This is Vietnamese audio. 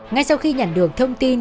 ngay sau khi nhận được thông tin